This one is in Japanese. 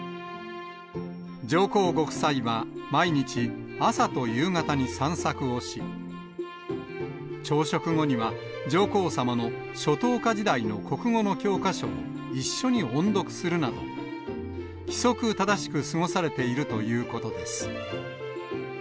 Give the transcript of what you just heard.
上皇ご夫妻は毎日、朝と夕方に散策をし、朝食後には上皇さまの初等科時代の国語の教科書を一緒に音読するなど、規則正しく過ごされているということです。